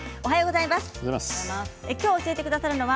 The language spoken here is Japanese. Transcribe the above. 今日教えてくださるのは